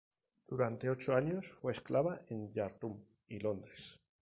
Durante ocho años fue esclava en Jartum y Londres.